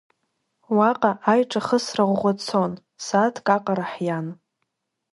Уаҟа аиҿахысра ӷәӷәа цон, сааҭк аҟара ҳиан.